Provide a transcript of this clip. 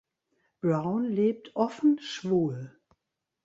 Brown lebt offen schwul.